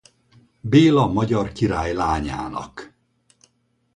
Béla magyar király lányának.